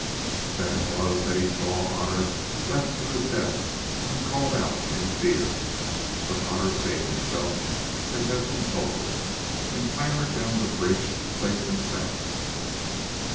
Then it was that he saw Otter left to his death and called out in fear. But Otter saved himself as has been told, and clambered down the bridge safe and sound.